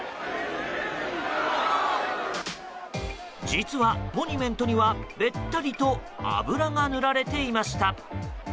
実は、モニュメントにはべったりと油が塗られていました。